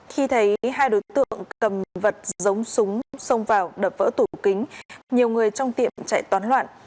khi thấy hai đối tượng cầm vật giống súng xông vào đập vỡ tủ kính nhiều người trong tiệm chạy toán loạn